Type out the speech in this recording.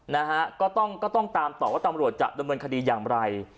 นะฮะก็ต้องก็ต้องตามต่อว่าตำรวจจะดำเนินคดีอย่างไร